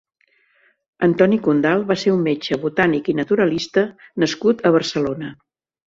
Antoni Condal va ser un metge, botànic i naturalista nascut a Barcelona.